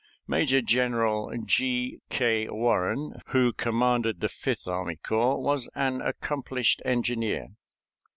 Major General G. K. Warren, who commanded the Fifth Army Corps, was an accomplished engineer.